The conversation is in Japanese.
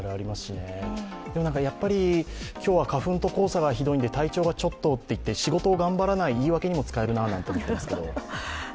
今日は花粉と黄砂がひどいので、体調がちょっとと仕事を頑張らない言い訳にも使えるななんて思ってますけど。